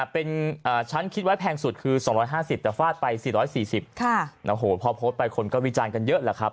เป็นฉันคิดไว้แพงสุดคือ๒๕๐แต่ฟาดไป๔๔๐พอโพสต์ไปคนก็วิจารณ์กันเยอะแหละครับ